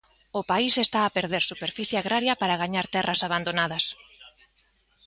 O país está a perder superficie agraria para gañar terras abandonadas.